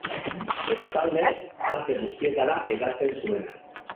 Bestalde, arte guztietara hedatzen zuena.